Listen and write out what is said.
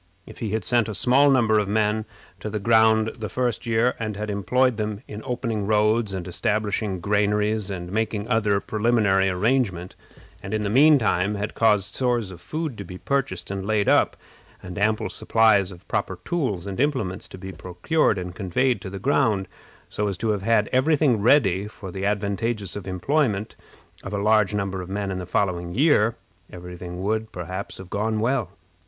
If he had sent a small number of men to the ground the first year, and had employed them in opening roads, establishing granaries, and making other preliminary arrangements, and, in the mean time, had caused stores of food to be purchased and laid up, and ample supplies of proper tools and implements to be procured and conveyed to the ground, so as to have had every thing ready for the advantageous employment of a large number of men in the following year, every thing would, perhaps, have gone well.